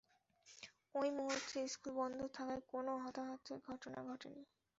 ওই মুহূর্তে স্কুল বন্ধ থাকায় কোনো হতাহতের ঘটনা ঘটেনি।